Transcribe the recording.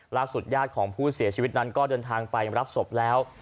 ญาติของผู้เสียชีวิตนั้นก็เดินทางไปรับศพแล้ว